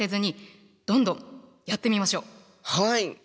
はい。